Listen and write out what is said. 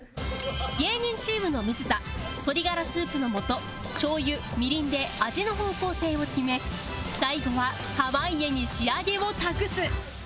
芸人チームの水田鶏ガラスープの素しょう油みりんで味の方向性を決め最後は濱家に仕上げを託す